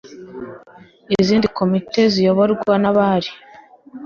izindi komite ziyoborwa n abari